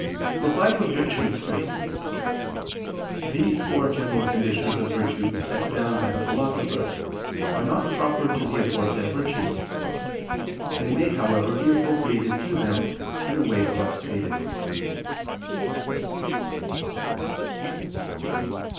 Reply Obj. 3: These four general conditions of virtue set down by the Philosopher, are not proper to the aforesaid virtues. They may, however, be appropriated to them, in the way above stated.